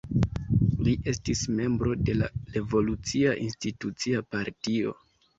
Li estis membro de la Revolucia Institucia Partio.